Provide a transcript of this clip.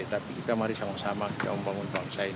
tapi kita mari sama sama kita membangun paksain